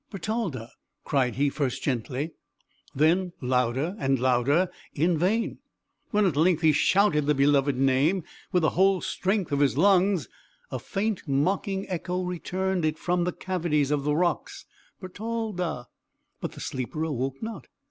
"Bertalda!" cried he; first gently, then louder and louder in vain. When at length he shouted the beloved name with the whole strength of his lungs, a faint mocking echo returned it from the cavities of the rocks "Bertalda!" but the sleeper awoke not.